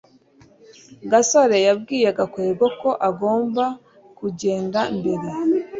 gasore yabwiye gakwego ko agomba kugenda mbere